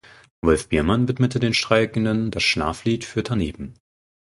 Wolf Biermann widmete den Streikenden das "Schlaflied für Tanepen".